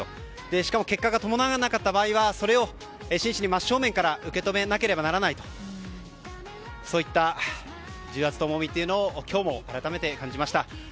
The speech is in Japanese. しかも結果が伴わなかった場合はそれを真摯に真正面から受け止めなければならないそういった重圧と重みというものも今日も改めて感じました。